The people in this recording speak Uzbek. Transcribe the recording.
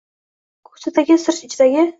Koʻksidagi – sir ichidagi